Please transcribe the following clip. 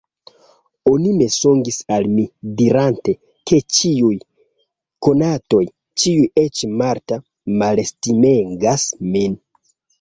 Oni mensogis al mi, dirante, ke ĉiuj konatoj, ĉiuj, eĉ Marta, malestimegas min.